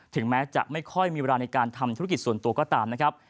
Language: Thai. ถึงแม้จะไม่ค่อยมีเวลาในการทำธุรกิจส่วนตัวก็ตามนะครับ